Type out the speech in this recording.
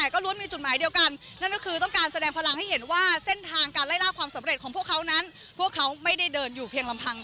ก็ล้วนมีจุดหมายเดียวกันนั่นก็คือต้องการแสดงพลังให้เห็นว่าเส้นทางการไล่ล่าความสำเร็จของพวกเขานั้นพวกเขาไม่ได้เดินอยู่เพียงลำพัง